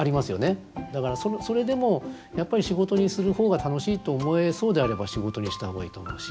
だからそれでもやっぱり仕事にする方が楽しいと思えそうであれば仕事にした方がいいと思うし。